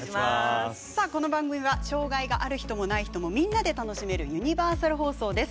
この番組は障がいのある人もない人もみんなで楽しめるユニバーサル放送です。